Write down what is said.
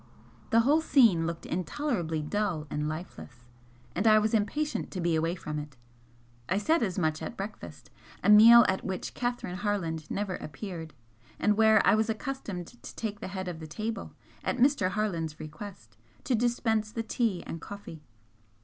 The whole scene looked intolerably dull and lifeless, and I was impatient to be away from it. I said as much at breakfast, a meal at which Catherine Harland never appeared, and where I was accustomed to take the head of the table, at Mr. Harland's request, to dispense the tea and coffee.